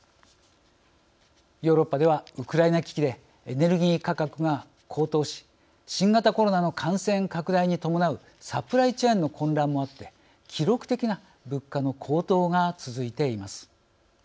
ヨーロッパではウクライナ危機でエネルギー価格が高騰し新型コロナの感染拡大に伴うサプライチェーンの混乱もあって記録的な物価の高騰が続いています。